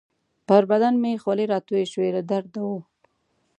پر بدن مې خولې راتویې شوې، له درده وو.